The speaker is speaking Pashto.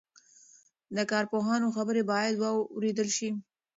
د کارپوهانو خبرې باید واورېدل شي.